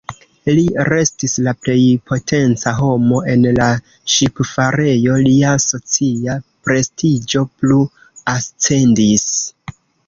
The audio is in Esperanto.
Li restis la plej potenca homo en la ŝipfarejo, lia socia prestiĝo plu ascendis.